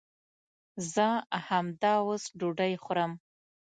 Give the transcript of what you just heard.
زه همداوس ډوډۍ خورم